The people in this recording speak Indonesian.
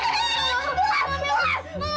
tuh tuhan tuhan